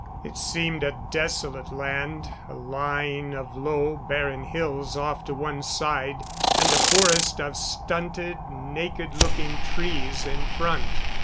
It seemed a desolate land, a line of low, barren hills off to one side, and a forest of stunted, naked looking trees in front.